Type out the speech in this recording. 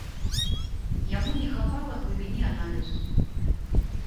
Яму не хапала глыбіні аналізу.